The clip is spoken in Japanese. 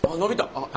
あっ。